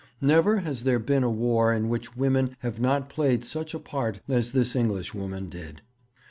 Never has there been a war in which women have not played such a part as this Englishwoman did.